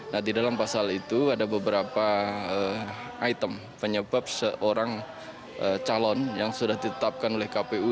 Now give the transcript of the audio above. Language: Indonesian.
nah di dalam pasal itu ada beberapa item penyebab seorang calon yang sudah ditetapkan oleh kpu